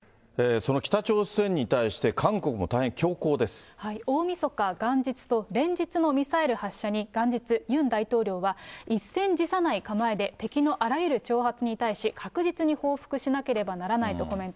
その北朝鮮に対して、大みそか、元日と連日のミサイル発射に、元日、ユン大統領は、一戦辞さない構えで敵のあらゆる挑発に対し、確実に報復しなければならないとコメント。